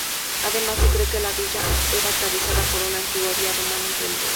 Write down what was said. Además se cree que la villa era atravesada por una antigua vía romana empedrada.